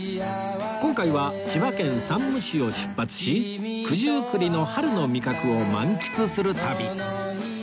今回は千葉県山武市を出発し九十九里の春の味覚を満喫する旅